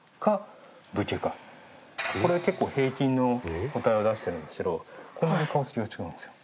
これは結構平均の個体を出してるんですけどこんなに顔つきが違うんですよ。